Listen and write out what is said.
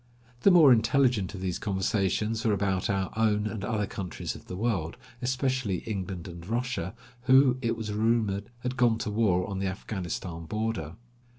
The more intelligent of these conversations were about our own and other countries of the world, especially England and Russia, who, it was rumored, had gone to war on the Afghanistan border.